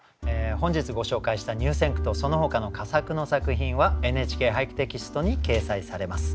本日ご紹介した入選句とそのほかの佳作の作品は「ＮＨＫ俳句」テキストに掲載されます。